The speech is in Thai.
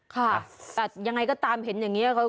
ค่ะแต่ยังไงก็ตามเห็นอย่างนี้